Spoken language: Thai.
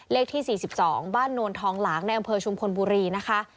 เลขที่๔๒บ้านโนนทองหลางในอำเภอชุมพลบุรีนะคะ